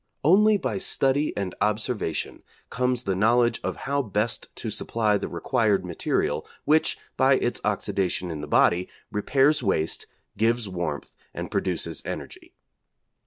Only by study and observation comes the knowledge of how best to supply the required material which, by its oxidation in the body, repairs waste, gives warmth and produces energy.